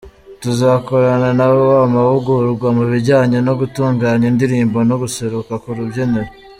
Tuzakorana na bo amahugurwa mu bijyanye no gutunganya indirimbo no guseruka ku rubyiniro…”.